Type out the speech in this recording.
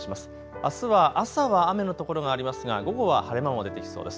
あすは朝は雨の所がありますが午後は晴れ間も出てきそうです。